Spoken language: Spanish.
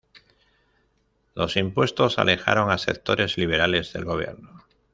Los impuestos alejaron a sectores liberales del Gobierno.